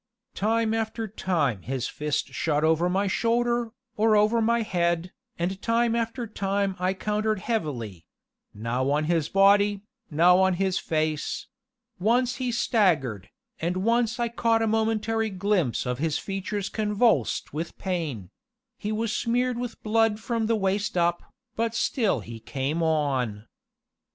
Time after time his fist shot over my shoulder, or over my head, and time after time I countered heavily now on his body, now on his face; once he staggered, and once I caught a momentary glimpse of his features convulsed with pain; he was smeared with blood from the waist up, but still he came on.